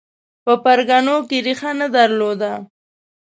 په پرګنو کې ریښه نه درلوده